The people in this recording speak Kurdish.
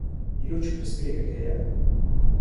Îro çi pirsgirêk heye?